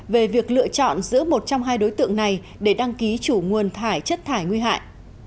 về việc lựa chọn giữ một trong hai đối tượng này để đăng ký chủ nguồn thải chất thải nguy hại